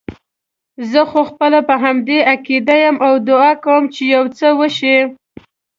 زه خو خپله په همدې عقیده یم او دعا کوم چې یو څه وشي.